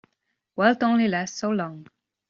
Wealth only lasts so long.